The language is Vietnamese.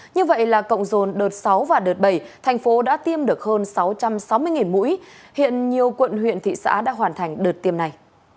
như vậy là cộng dồn đợt sáu và đợt bảy thành phố đã tiêm được hơn sáu trăm sáu mươi mũi hiện nhiều quận huyện thị xã đã hoàn thành đợt tiêm này